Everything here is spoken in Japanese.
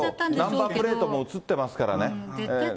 ナンバープレートも写ってますからね。